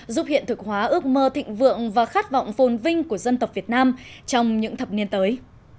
giúp hiện thực hóa ước mơ thịnh vượng và khát vọng phồn vinh của dân tộc việt nam trong những thập niên tới